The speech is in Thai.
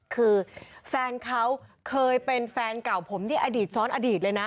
คือแฟนเขาเคยเป็นแฟนเก่าผมที่อดีตซ้อนอดีตเลยนะ